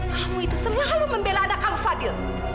kamu itu selalu membela anak kamu fadil